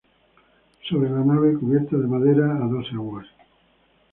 Sobre la nave, cubierta de madera a dos aguas.